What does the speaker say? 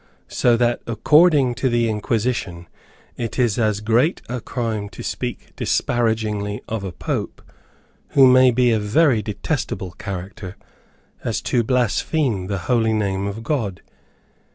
So that according to the Inquisition, it is as great a crime to speak disparagingly of a pope, who may be a very detestable character, as to blaspheme the holy name of God.